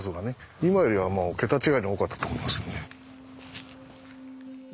今よりは桁違いに多かったと思いますね。